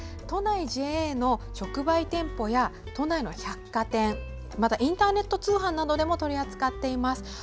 都内ＪＡの直売店舗や都内の百貨店また、インターネット通販でも取り扱っています。